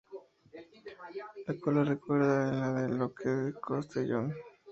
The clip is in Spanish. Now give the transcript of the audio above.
La cola recuerda a la del Lockheed Constellation.